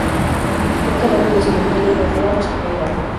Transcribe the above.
Fue enterrado en el Cementerio de Rottach-Egern.